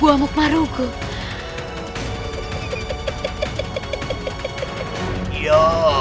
yang menjemput hersaulidade